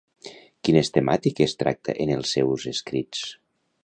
Quines temàtiques tracta en els seus escrits?